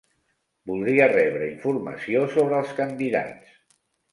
Voldria rebre informació sobre els candidats.